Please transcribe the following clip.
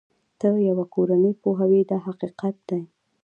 ته یوه کورنۍ پوهوې دا حقیقت دی.